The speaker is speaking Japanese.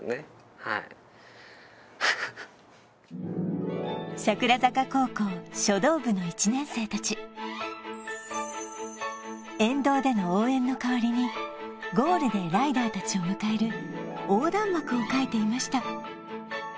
はいフフフ桜坂高校書道部の１年生達沿道での応援の代わりにゴールでライダー達を迎える横断幕を書いていました